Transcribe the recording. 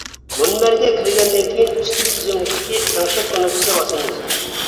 مۇنبەرگە كىرگەندىن كىيىن، ئۈستى تىزىملىكتىكى «تەڭشەك» كۇنۇپكىسىنى باسىمىز.